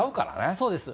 そうです。